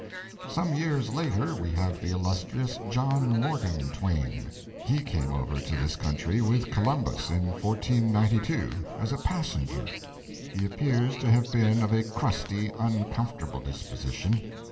Some years later we have the illustrious John Morgan Twain. He came over to this country with Columbus in 1492, as a passenger. He appears to have been of a crusty, uncomfortable disposition.